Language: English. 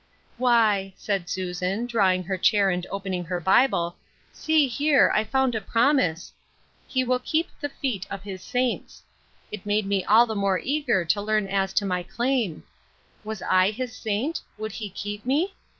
" Why," said Susan, drawing her chair and opening her Bible, " see here, I found a promise, * He will keep th^ feot of liis saints.' It made Finding One's Calling. 127 me all the more eager to learn as to my claim. Was I his saint ? would he keep me